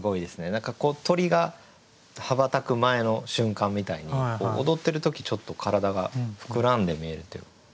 何か鳥が羽ばたく前の瞬間みたいに踊ってる時ちょっと体が膨らんで見えるっていう。